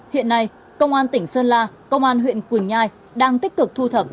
hiện nay công an tỉnh sơn la công an huyện quỳnh nhai đang tích cực thu thẩm